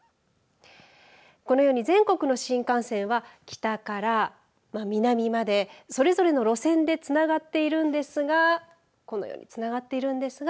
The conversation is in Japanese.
このように全国の新幹線は北から、まあ、南までそれぞれの路線でつながっているんですがこのようにつながっているんですが